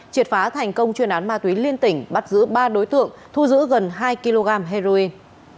triệt phá thành công chuyên án ma túy liên tỉnh bắt giữ ba đối tượng thu giữ gần hai kg heroin